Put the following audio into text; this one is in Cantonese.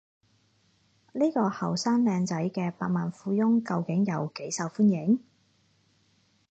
呢個後生靚仔嘅百萬富翁究竟有幾受歡迎？